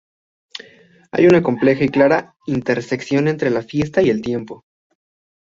Hay una compleja y clara intersección entre la fiesta y el tiempo.